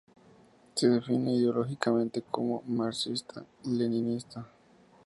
Se define ideológicamente como marxista-leninista.